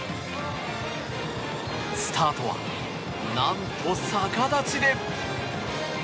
スタートはなんと逆立ちで。